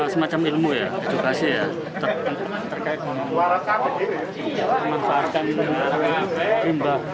semacam ilmu ya juga sih ya terkait mengeluarkan ini